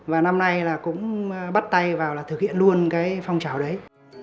và năm nay cũng bắt tay vào thực hiện luôn cái phong trào đấy